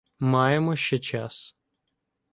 — Маємо ще час.